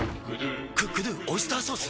「クックドゥオイスターソース」！？